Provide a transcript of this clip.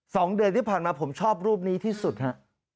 สองเดือนที่ผ่านมาผมชอบรูปนี้ที่สุดฮะ